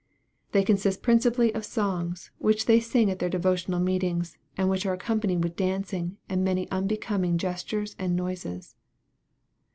They consist principally of songs, which they sing at their devotional meetings, and which are accompanied with dancing, and many unbecoming gestures and noises.